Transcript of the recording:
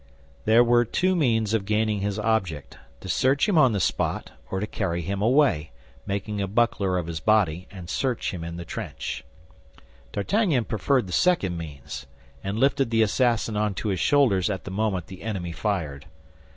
There were two means of gaining his object—to search him on the spot, or to carry him away, making a buckler of his body, and search him in the trench. D'Artagnan preferred the second means, and lifted the assassin onto his shoulders at the moment the enemy fired.